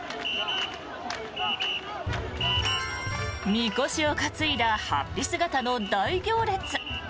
みこしを担いだ法被姿の大行列。